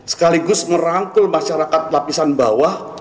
sekaligus merangkul masyarakat lapisan bawah